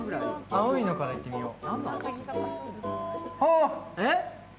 青いのからいってみよう。